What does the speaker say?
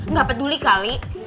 gak peduli kali